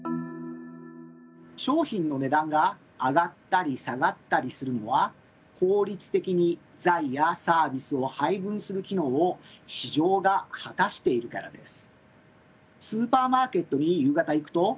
商品の値段が上がったり下がったりするのは効率的に財やサービスを配分する機能を市場が果たしているからです。